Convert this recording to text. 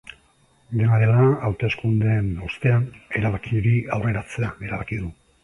Dena dela, hauteskundeen ostean erabaki hori aurreratzea erabaki du.